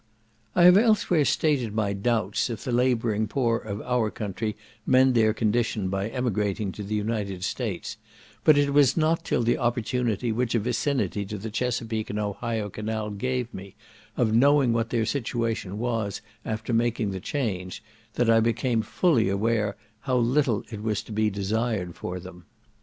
I have elsewhere stated my doubts if the labouring poor of our country mend their condition by emigrating to the United States, but it was not till the opportunity which a vicinity to the Chesapeake and Ohio canal gave me, of knowing what their situation was after making the change, that I became fully aware how little it was to be desired for them.